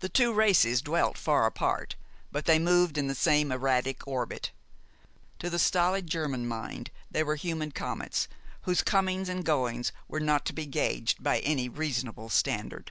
The two races dwelt far apart, but they moved in the same erratic orbit. To the stolid German mind they were human comets, whose comings and goings were not to be gaged by any reasonable standard.